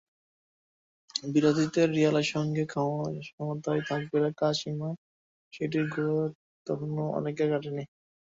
বিরতিতে রিয়ালের সঙ্গে সমতায় থাকবে কাশিমা, সেটির ঘোরও তখনো অনেকের কাটেনি।